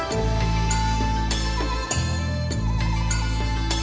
ตอนต่อไป